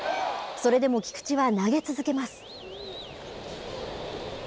それでも菊池は投げ続けます。